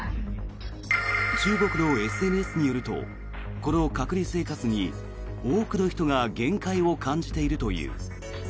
中国のＳＮＳによるとこの隔離生活に多くの人が限界を感じているという。